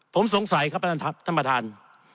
ผมสงสัยครับท่านประธาน